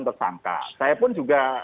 tersangka saya pun juga